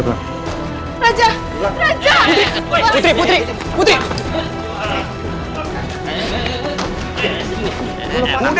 sampai jumpa di video selanjutnya